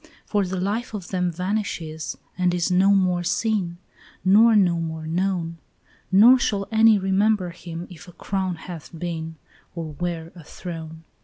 "For the life of them vanishes and is no more seen, Nor no more known; Nor shall any remember him if a crown hath been, Or where a throne.